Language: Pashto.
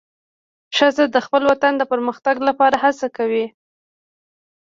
ښځه د خپل وطن د پرمختګ لپاره هڅه کوي.